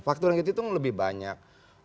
faktor yang kita hitung lebih banyak